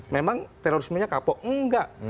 memang terorismenya kapok enggak